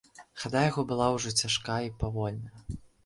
Хада яго была ўжо цяжкая і павольная.